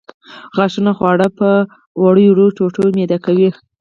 غاښونه خواړه په وړو وړو ټوټو میده کوي.